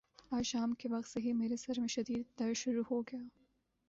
آج شام کے وقت سے ہی میرے سر میں شدد درد شروع ہو گیا۔